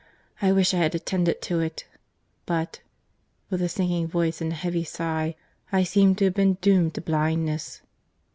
—I wish I had attended to it—but—(with a sinking voice and a heavy sigh) I seem to have been doomed to blindness."